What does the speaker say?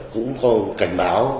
cũng có cảnh báo